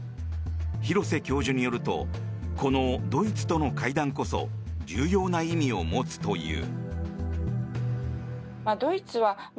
廣瀬教授によるとこのドイツとの会談こそ重要な意味を持つという。